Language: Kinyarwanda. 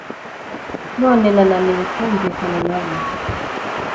none nananiwe kumvikana na bo